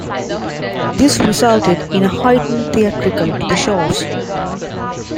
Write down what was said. This resulted in a heightened theatricality to the shows.